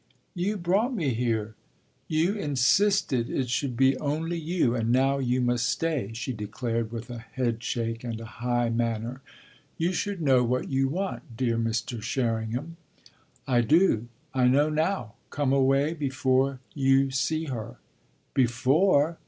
"You brought me here, you insisted it should be only you, and now you must stay," she declared with a head shake and a high manner. "You should know what you want, dear Mr. Sherringham." "I do I know now. Come away before you see her." "Before